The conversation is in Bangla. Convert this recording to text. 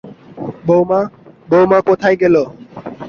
বউমা, বউমা কোথায় গেল।